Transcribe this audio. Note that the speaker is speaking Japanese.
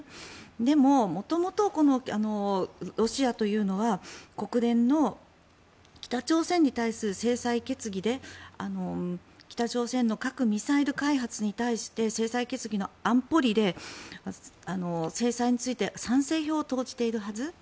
でも、元々ロシアというのは国連の北朝鮮に対する制裁決議で北朝鮮の核・ミサイル開発に対して制裁決議の安保理で制裁について賛成票を投じているはず。